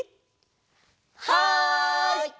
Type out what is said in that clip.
はい！